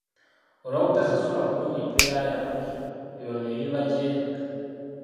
Olw'obutasasulwa bulungi mpeera yaabwe, ebyo ne bibajeemya.